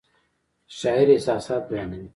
شاعر احساسات بیانوي